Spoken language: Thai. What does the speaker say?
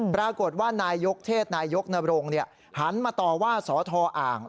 ปรากฏว่านายกเทศนายกนบรงเนี่ยหันมาต่อว่าสธอ่าง